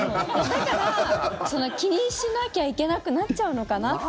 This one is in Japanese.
だから気にしなきゃいけなくなっちゃうのかなって。